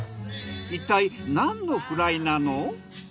一体何のフライなの？